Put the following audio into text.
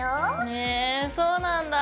へえそうなんだ！